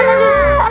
mana tuh pok